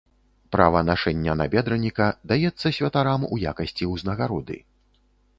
Права нашэння набедраніка даецца святарам у якасці ўзнагароды.